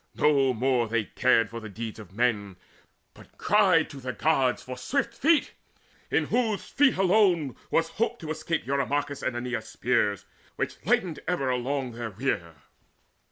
No more Cared they for deeds of men, but cried to the Gods For swift feet, in whose feet alone was hope To escape Eurymachus' and Aeneas' spears Which lightened ever all along their rear.